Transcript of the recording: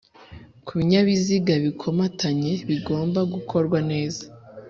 ku binyabiziga bikomatanye bigomba gukorwa neza